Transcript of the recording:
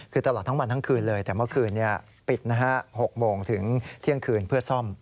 คือตลอดทั้งวันทั้งคืนเลยแต่เมื่อคืนปิดนะฮะ๖โมงถึงเที่ยงคืนเพื่อซ่อม